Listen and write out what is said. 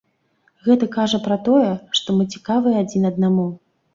Гэта кажа пра тое, што мы цікавыя адзін аднаму.